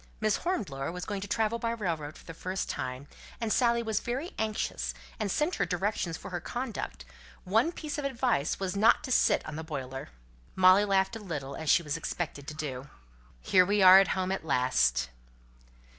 Miss Hornblower was going to travel by railroad for the first time; and Dorothy was very anxious, and sent her directions for her conduct; one piece of advice was not to sit on the boiler." Molly laughed a little, as she was expected to do. "Here we are at home, at last."